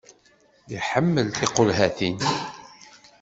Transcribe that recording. Iḥemmel tiqulhatin.